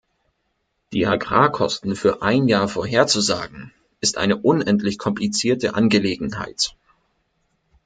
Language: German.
Die Agrarkosten für ein Jahr vorherzusagen, ist eine unendlich komplizierte Angelegenheit.